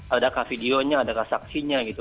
adakah videonya adakah saksinya gitu